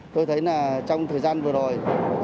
tôi thấy trong thời gian vừa rồi